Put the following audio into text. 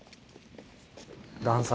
段差。